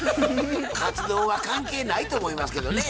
かつ丼は関係ないと思いますけどね。